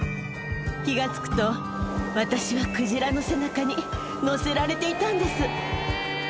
気が付くと私はクジラの背中に乗せられていたんです。